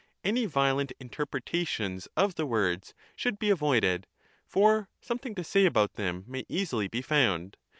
Any violent interpretations of the words should be avoided ; for something to say about them may easily be found.